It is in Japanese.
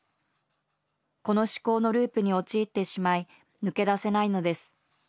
この思考のループに陥ってしまい抜け出せないのです。